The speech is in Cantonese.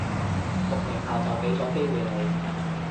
讀名校就畀咗機會你